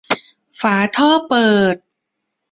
ฝาท่อเปิด